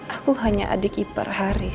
aku hanya adik ipar